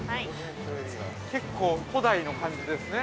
◆結構、古代の感じですね。